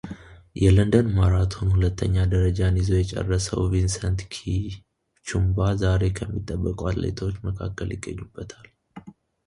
የለንደን ማራቶን ሁለተኛ ደረጃን ይዞ የጨረሰው ቪንሰንት ኪፕቹምባ ዛሬ ከሚጠበቁ አትሌቶች መካከል ይገኙበታል።